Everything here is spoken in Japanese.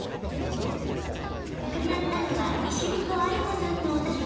伺ったのは西向梓弓子さんのお宅。